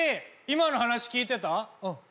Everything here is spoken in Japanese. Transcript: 今の話聞いてた？